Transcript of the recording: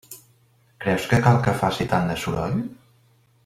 Creus que cal que faci tant de soroll?